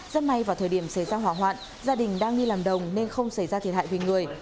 rất may vào thời điểm xảy ra hỏa hoạn gia đình đang đi làm đồng nên không xảy ra thiệt hại về người